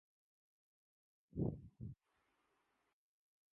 وارستہ اس سے ہیں کہ‘ محبت ہی کیوں نہ ہو